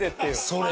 それ。